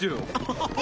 ハハハ！